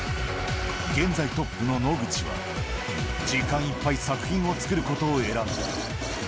現在トップの野口は、時間いっぱい作品を作ることを選んだ。